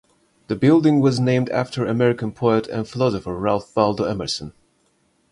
The building was named after American poet and philosopher Ralph Waldo Emerson.